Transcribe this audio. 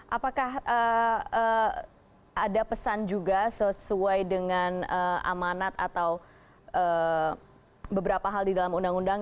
apakah ada pesan juga sesuai dengan amanat atau beberapa hal di dalam undang undang